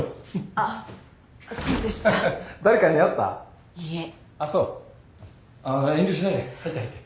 あっ遠慮しないで入って入って。